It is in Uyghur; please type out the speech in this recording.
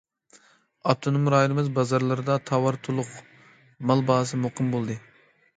ئاپتونوم رايونىمىز بازارلىرىدا تاۋار تولۇق، مال باھاسى مۇقىم بولدى.